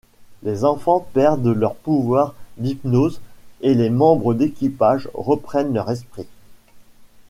Les enfants perdent leur pouvoir d'hypnose et les membres d'équipage reprennent leur esprit.